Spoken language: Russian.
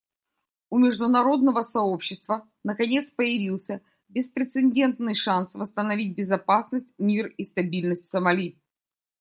У международного сообщества, наконец, появился беспрецедентный шанс восстановить безопасность, мир и стабильность в Сомали.